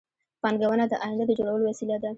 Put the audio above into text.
پانګونه د آینده د جوړولو وسیله ده